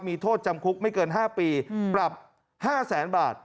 มีโทษจำคุกไม่เกิน๕ปีปรับ๕แสนบาท